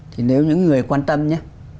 thì nếu những người quan tâm nhé